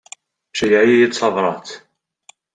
Ceyyeɛ-iyi-d tabrat.